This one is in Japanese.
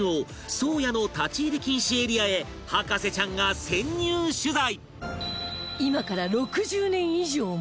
宗谷の立ち入り禁止エリアへ博士ちゃんが潜入取材！